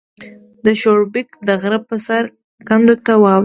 د شاړوبېک د غره په سر کنډو ته واوړې